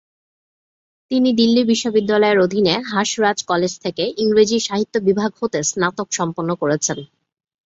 তিনি দিল্লি বিশ্ববিদ্যালয়ের অধীনে হাঁস রাজ কলেজ থেকে ইংরেজি সাহিত্য বিভাগ হতে স্নাতক সম্পন্ন করেছেন।